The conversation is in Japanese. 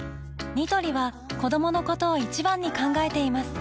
ニトリは子どものことを一番に考えています